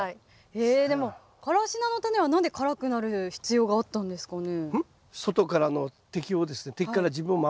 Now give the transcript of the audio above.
でもカラシナのタネは何で辛くなる必要があったんですかね？